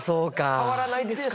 変わらないですか。